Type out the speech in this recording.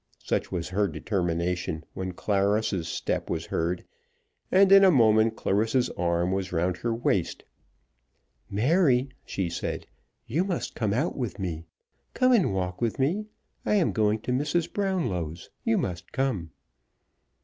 Such was her determination when Clarissa's step was heard, and in a moment Clarissa's arm was round her waist. "Mary," she said, "you must come out with me. Come and walk with me. I am going to Mrs. Brownlow's. You must come."